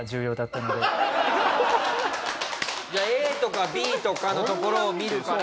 じゃあＡとかＢとかのところを見るから。